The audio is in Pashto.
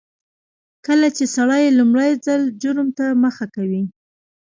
کله چې سړی لومړي ځل جرم ته مخه کوي.